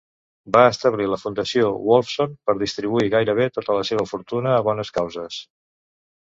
Va establir la fundació Wolfson per distribuir gairebé tota la seva fortuna a bones causes.